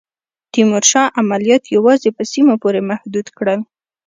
تیمورشاه عملیات یوازي په سیمو پوري محدود کړل.